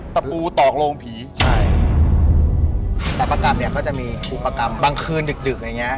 ตะปูตอกโรงผีใช่แต่ประกรรมเนี่ยเขาจะมีอุปกรรมบางคืนดึกดึกอย่างเงี้